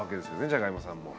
じゃがいもさんも。